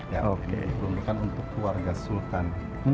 ya oke diperuntukkan untuk keluarga sultan